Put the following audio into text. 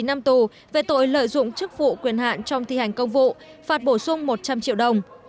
chín năm tù về tội lợi dụng chức vụ quyền hạn trong thi hành công vụ phạt bổ sung một trăm linh triệu đồng